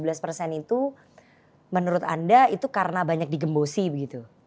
perolahan suara yang hanya tujuh belas itu menurut anda itu karena banyak digembosi begitu